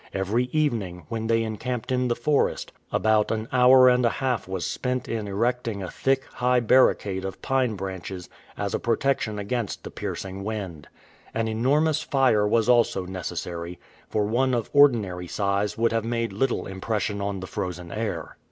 Every evening, when they en camped in the forest, about an hour and a half was spent 192 A HETEROGENEOUS POPULATION in erecting a thick, high barricade of pine branches as a protection against the piercing wind. An enormous fire was also necessary, for one of ordinary size would have made little impression on the frozen air.